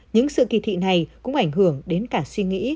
những sự kỳ thị này cũng ảnh hưởng đến cả suy nghĩ